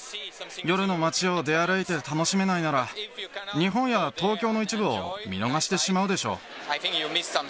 夜の街を出歩いて楽しめないなら、日本や東京の一部を見逃してしまうでしょう。